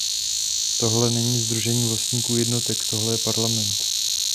Tohle není sdružení vlastníků jednotek, tohle je Parlament!